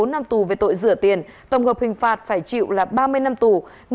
một mươi hai một mươi bốn năm tù về tội rửa tiền tổng hợp hình phạt phải chịu là ba mươi năm tù